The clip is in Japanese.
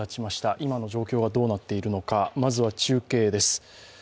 今の状況がどうなっているのか、中継です。